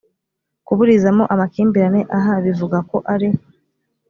kuburizamo amakimbirane aha bivuga ko ari